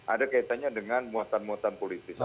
ada kaitannya dengan muatan muatan politis